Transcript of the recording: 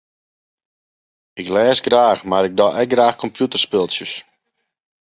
Ik lês graach mar ik doch ek graach kompjûterspultsjes.